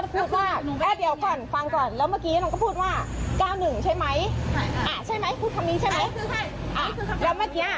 พูดแค่นี้ลูกค้าจะได้ยินได้ไง